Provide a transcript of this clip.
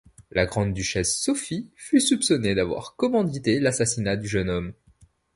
La grande-duchesse Sophie fut soupçonnée d'avoir commandité l'assassinat du jeune homme.